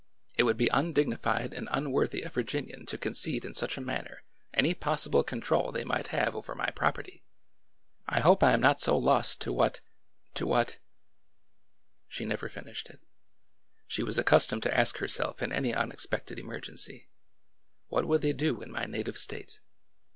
It would be undignified and unworthy a Virginian to con cede in such a manner any possible control they might have over my property ! I hope I am not so lost to what —to what—" She never finished it. She was accustomed to ask her self in any unexpected emergency : What would they do in my native State